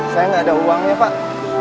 saya nggak ada uangnya pak